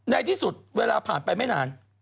ในที่สุดเวลาผ่านไปไม่นาน